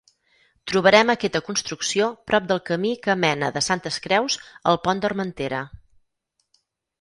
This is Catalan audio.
Trobarem aquesta construcció prop del camí que mena de Santes Creus al Pont d'Armentera.